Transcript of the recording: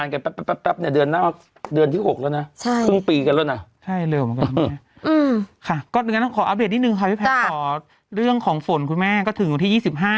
ขออัพเดทนิดนึงค่ะพี่แฟนส์ขอเรื่องของฝนคุณแม่ถึงอีที๒๕